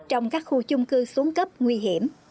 trong các khu chung cư xuống cấp nguy hiểm